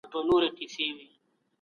مغول له زوال وروسته ډېر بدل سول.